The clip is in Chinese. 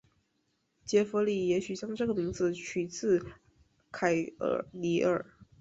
杰佛里也许将这个名字取自凯尔李尔。